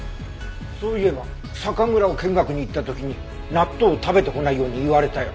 そういえば酒蔵を見学に行った時に納豆を食べてこないように言われたよ。